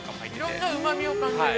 ◆いろんなうまみを感じる。